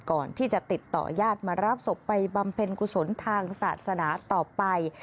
ก่อนที่จะติดต่อยาดมารับศพไปบำเพ็ญกุศลทางศาสนาต่อไป